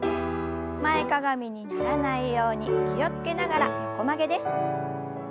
前かがみにならないように気を付けながら横曲げです。